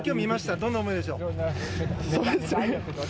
どんな思いでしょう？